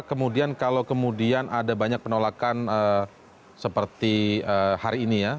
kemudian kalau kemudian ada banyak penolakan seperti hari ini ya